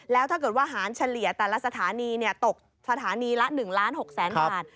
แล้วถ้าเกิดว่าหารเฉลี่ยแต่ละสถานีตกสถานีละ๑ล้าน๖แสนบาท